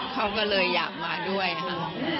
เขาก็เลยอยากมาด้วยค่ะ